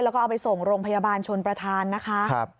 แล้วก็เอาไปส่งโรงพยาบาลชนประธานนะคะ